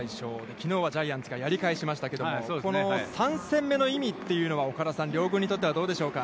きのうはジャイアンツがやり返しましたけど、この３戦目の意味というのは岡田さん、両軍にとってはどうでしょうか。